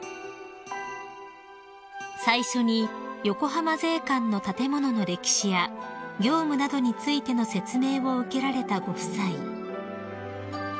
［最初に横浜税関の建物の歴史や業務などについての説明を受けられたご夫妻］